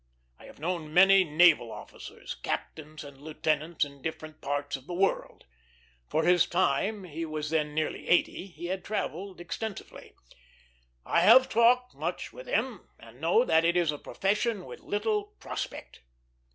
I have known many naval officers, captains and lieutenants, in different parts of the world" for his time, he was then nearly eighty, he had travelled extensively "I have talked much with them, and know that it is a profession with little prospect."